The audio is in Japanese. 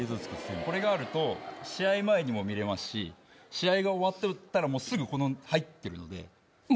これがあると試合前にも見れますし試合が終わったらすぐ入ってるので。